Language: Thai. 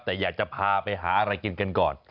แต่อยากจะพาไปหาอะไรกินกันก่อน